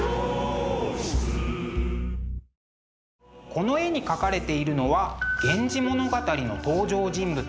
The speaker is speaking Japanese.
この絵に描かれているのは「源氏物語」の登場人物